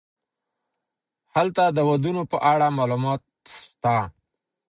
هلته د ودونو په اړه معلومات سته.